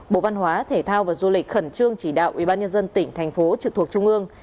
bộ văn hóa thể thao và du lịch khẩn trương chỉ đạo ubnd tỉnh thành phố trực thuộc trung ương